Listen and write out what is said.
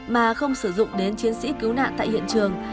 mà không sử dụng đến chiến sĩ cứu nạn tại hiện trường